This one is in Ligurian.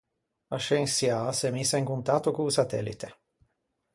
A scensiâ a s’é missa in contatto co-o satellite.